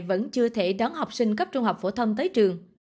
vẫn chưa thể đón học sinh cấp trung học phổ thông tới trường